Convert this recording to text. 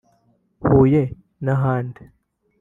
Huye n’ahandi